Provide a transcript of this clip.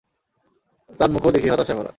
তার মুখও দেখি হতাশায় ভরা।